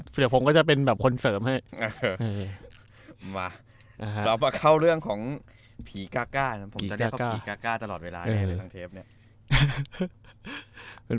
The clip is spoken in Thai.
เดี๋ยวผมก็จะเป็นคนเสริมให้ต่อไปเข้าเรื่องของผีก้าผมจะเรียกเป็นผีก้าตลอดเวลาเนี่ย